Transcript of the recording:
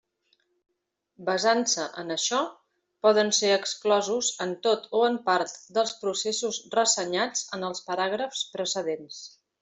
Basant-se en això, poden ser exclosos en tot o en part dels processos ressenyats en els paràgrafs precedents.